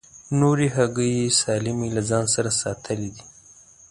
نورې هګۍ یې سالمې له ځان سره ساتلې دي.